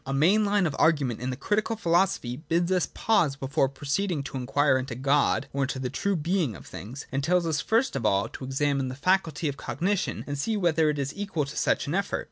A main line of argument in the Critical Philosophy bids us pause before proceeding to inquire into God or into the true being of things, and tells us first of all to examine the faculty of cognition and see whether it is equal to such an effort.